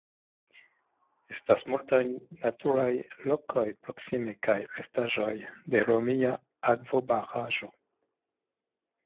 Estas multaj naturaj lokoj proksime kaj restaĵoj de romia akvobaraĵo.